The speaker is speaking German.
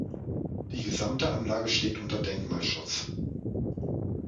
Die gesamte Anlage steht unter Denkmalschutz.